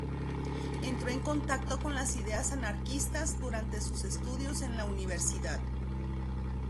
Entró en contacto con las ideas anarquistas durante sus estudios en la universidad.